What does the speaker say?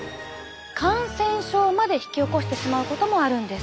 感染症まで引き起こしてしまうこともあるんです。